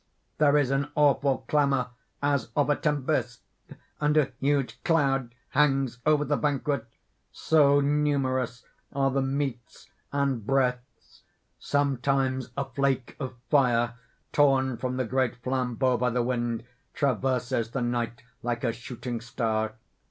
There is an awful clamor as of a tempest; and a huge cloud hangs over the banquet so numerous are the meats and breaths. Sometimes a flake of fire torn from the great flambeaux by the wind, traverses the night like a shooting star.